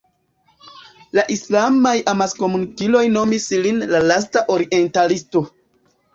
La islamaj amaskomunikiloj nomis lin "la lasta orientalisto".